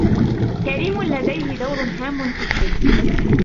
كريم لديهِ دور هام في الفيلم.